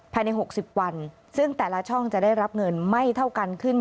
ภายใน๖๐วันซึ่งแต่ละช่องจะได้รับเงินไม่เท่ากันขึ้น